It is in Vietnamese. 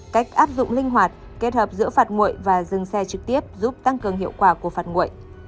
cách áp dụng linh hoạt kết hợp giữa phạt nguội và dừng xe trực tiếp giúp tăng cường hiệu quả của phạt nguội